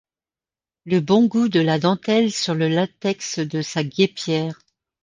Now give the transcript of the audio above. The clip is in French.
Le bon goût de la dentelle sur le latex de sa guêpière.